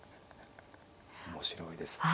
面白いですね。